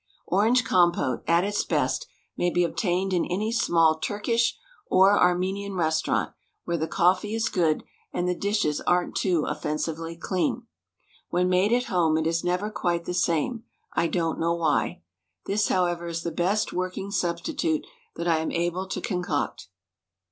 Orange Compote, at its best, may be obtained in any small Turkish or Armenian restaurant where the cofEee is good and the dishes aren't too ofEensively clean. When made at home it is never quite the same — I don't know why. This, however, is the best working substitute that I am able to concoct.